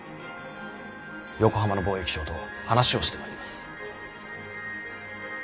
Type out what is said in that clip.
横浜の貿易商と話をしてまいります。